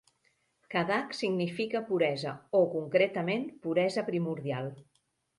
"Kadag" significa "puresa" o, concretament, "puresa primordial".